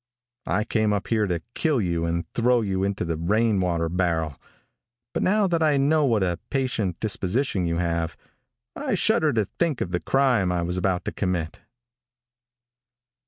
I came up here to kill you and throw you into the rain water barrel, but now that I know what a patient disposition you have, I shudder to think of the crime I was about to commit."